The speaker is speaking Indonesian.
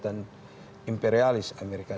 kekuatan imperialis amerika